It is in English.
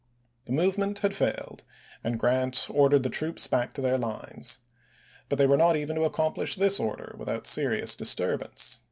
The movement had failed, and Grant ordered the troops back to their lines. But they were not even to accomplish this order without serious disturbance.